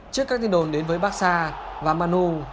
trước các tin đồn đến với barca và manu